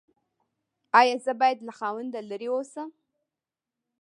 ایا زه باید له خاوند لرې اوسم؟